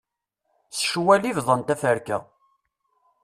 S ccwal i bḍan taferka.